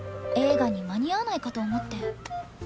映画に間に合わないかと思って。